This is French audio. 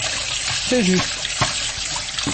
C’est juste.